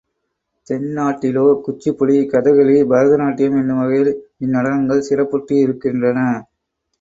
தென்னாட்டிலோ Kuchipudi, Kathakali, Bharatanatyam என்னும் வகையில் இந்நடனங்கள் சிறப்புற்றி ருக்கின்றன.